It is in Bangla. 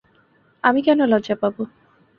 আমি কেন লজ্জা পাবো?